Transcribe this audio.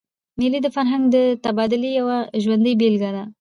مېلې د فرهنګي تبادلې یوه ژوندۍ بېلګه ده.